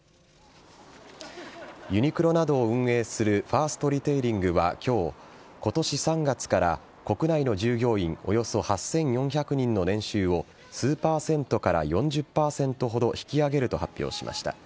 ユニクロなどを運営するファーストリテイリングは今日今年３月から国内の従業員およそ８４００人の年収を数％から４０％ほど引き上げると発表しました。